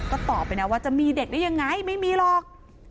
ก็ตอบไปนะว่าจะมีเด็กได้ยังไงไม่มีหรอก